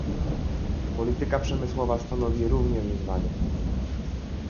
Polityka przemysłowa stanowi również wyzwanie